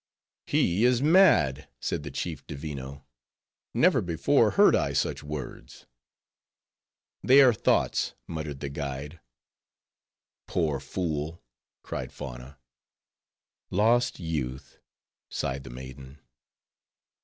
"He is mad," said the chief Divino; "never before heard I such words." "They are thoughts," muttered the guide. "Poor fool!" cried Fauna. "Lost youth!" sighed the maiden.